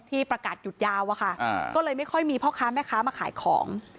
ประกาศหยุดยาวอะค่ะก็เลยไม่ค่อยมีพ่อค้าแม่ค้ามาขายของ